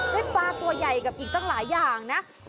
ปลาตัวใหญ่กับอีกตั้งหลายอย่างนะ